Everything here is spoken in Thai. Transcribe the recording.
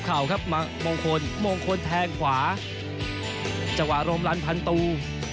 เข่าครับมามงคลมงคลแทงขวาจวารมรันพันตู